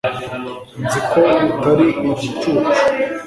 nzi ko utari igicucu